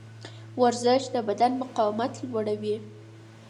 ورزش د بدن مقاومت لوړوي.